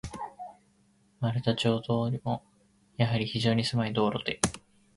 丸太町通も、やはり非常にせまい道路で、